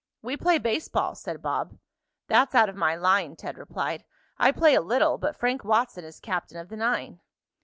"We play baseball," said Bob. "That's out of my line," Ted replied. "I play a little, but Frank Watson is captain of the nine."